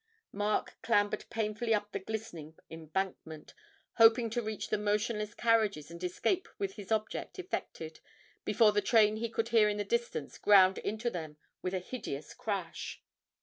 Mark clambered painfully up the glistening embankment, hoping to reach the motionless carriages and escape with his object effected before the train he could hear in the distance ground into them with a hideous crash.